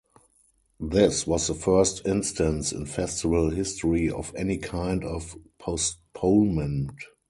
This was the first instance in festival history of any kind of postponement.